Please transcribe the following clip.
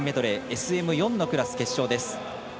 ＳＭ４のクラス決勝です。